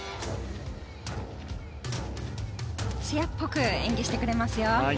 つやっぽく演技してくれますよ。